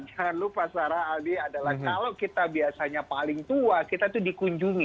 jangan lupa sarah aldi adalah kalau kita biasanya paling tua kita itu dikunjungi